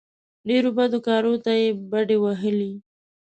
ډېرو بدو کارو ته یې بډې وهلې.